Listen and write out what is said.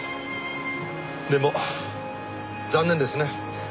でも残念ですね。